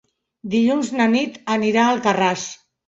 Dilluns na Nit anirà a Alcarràs.